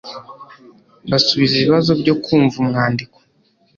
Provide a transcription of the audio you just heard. basubiza ibibazo byo kumva umwandiko